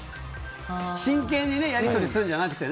真剣にやり取りするんじゃなくて。